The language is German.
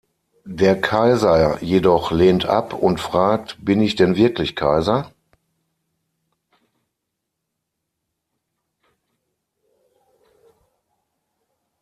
Der Kaiser jedoch lehnt ab und fragt: "Bin ich denn wirklich Kaiser?